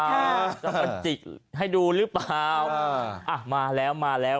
ค่ะจะมาจิกให้ดูหรือเปล่าอ่ะมาแล้วมาแล้ว